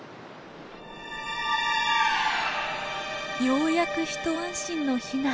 ようやく一安心のヒナ。